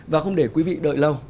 và không để quý vị đợi lâu